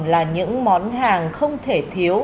là những món hàng không thể thiếu